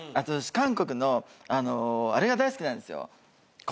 韓国のあれが大好きなんですよ